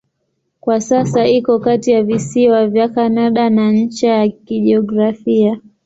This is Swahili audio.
Kwa sasa iko kati ya visiwa vya Kanada na ncha ya kijiografia.